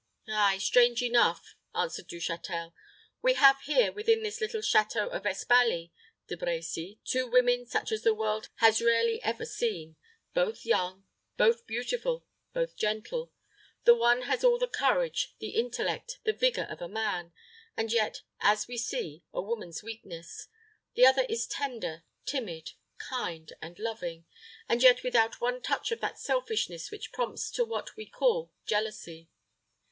"Ay, strange enough," answered Du Châtel. "We have here, within this little château of Espaly, De Brecy, two women such as the world has rarely ever seen, both young, both beautiful, both gentle. The one has all the courage, the intellect, the vigor of a man; and yet, as we see, a woman's weakness. The other is tender, timid, kind, and loving, and yet without one touch of that selfishness which prompts to what we call jealousy.